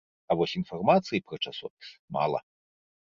А вось інфармацыі пра часопіс мала.